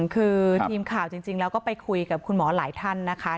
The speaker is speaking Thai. คือทีมข่าวจริงแล้วก็ไปคุยกับคุณหมอหลายท่านนะคะ